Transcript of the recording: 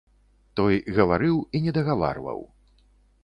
Той гаварыў і не дагаварваў.